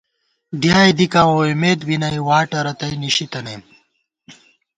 ڈِیائے دِکاں ووئیمېت بی نئ ، واٹہ رتئ نِشِی تنَئیم